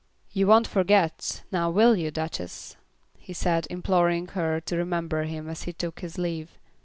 "You won't forget; now will you, Duchess?" he said, imploring her to remember him as he took his leave.